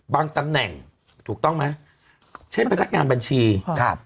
ตำแหน่งถูกต้องไหมเช่นพนักงานบัญชีครับ